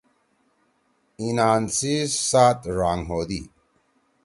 ایِنان سی سات ڙانگ ہودی۔